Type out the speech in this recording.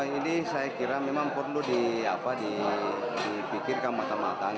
ini saya kira memang perlu dipikirkan mata matang